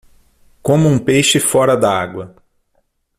Como um peixe fora da agua.